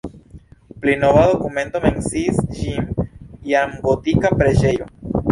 Pli nova dokumento menciis ĝin jam gotika preĝejo.